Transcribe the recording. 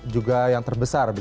juga yang terbesar